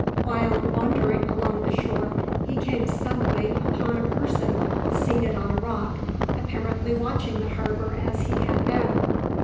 While wandering along the shore he came suddenly upon a person seated on a rock, apparently watching the harbour as he had been.